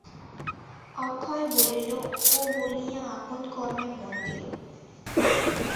অক্ষয় বলিল, ও বলিয়া আপন কর্মে মন দিল।